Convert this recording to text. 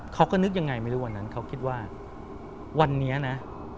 เขาก็นึกยังไงไม่รู้วันนั้นเขาคิดว่าวันนี้นะ